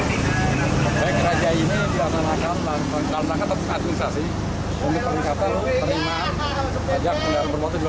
ini di atas lakar lakar lakar tersebut organisasi untuk penerima pajak yang berburu di jakarta timur